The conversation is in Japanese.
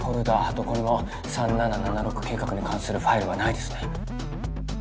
どこにも３７７６計画に関するファイルはないですね。